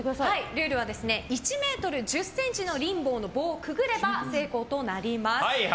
ルールは１ｍ１０ｃｍのリンボーの棒をくぐれば成功となります。